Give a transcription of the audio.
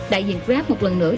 đại diện grab một lần nữa